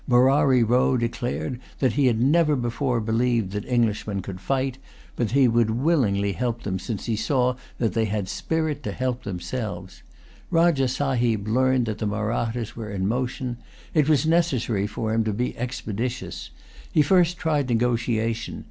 Morari Row declared that he had never before believed that Englishmen could fight, but that he would willingly help them since he saw that they had spirit to help themselves. Rajah Sahib learned that the Mahrattas were in motion. It was necessary for him to be expeditious. He first tried negotiation.